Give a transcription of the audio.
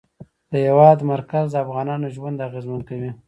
د هېواد مرکز د افغانانو ژوند اغېزمن کوي.